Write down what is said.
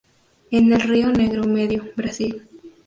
En el río Negro medio, Brasil.